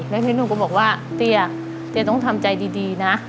แล้วนี้หนูก็บอกว่าแรกเดี๋ยวต้องทำใจดีดีนะ